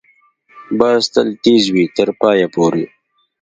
باز تل تېز وي، تر پایه پورې